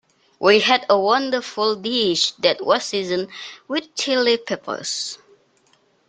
We had a wonderful dish that was seasoned with Chili Peppers.